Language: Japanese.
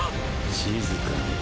静かに。